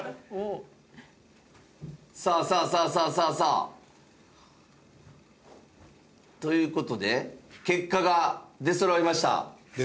さあさあさあさあさあさあ。という事で結果が出そろいました。